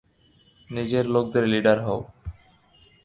নিজের লোকেদের লিডার হও।